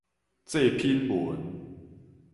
祭品文